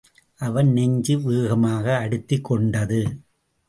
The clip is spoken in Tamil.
அவன் நெஞ்சு வேகமாக அடித்துக் கொண்டது.